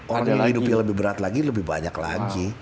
orang yang hidupnya lebih berat lagi lebih banyak lagi